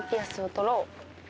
取ろう。